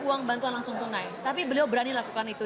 uang bantuan langsung tunai tapi beliau berani lakukan itu